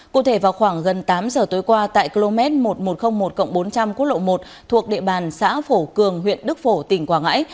cụ thể vào khoảng gần tám giờ tối qua tại km một nghìn một trăm linh một bốn trăm linh quốc lộ một thuộc địa bàn xã phổ cường huyện đức phổ tỉnh quảng ngãi